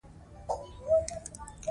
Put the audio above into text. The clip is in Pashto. کابل ښه روښنايي غواړي.